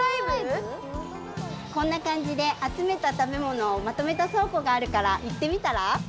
こんなかんじであつめた食べ物をまとめたそうこがあるからいってみたら？